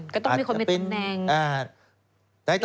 ก็ต้องมีคนมีตำแหน่ง